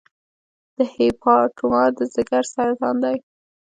د هیپاټوما د ځګر سرطان دی.